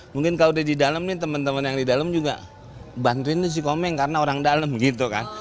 mungkin kalau di dalam nih teman teman yang di dalam juga bantuin si komeng karena orang dalam gitu kan